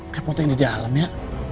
repotin di dalam ya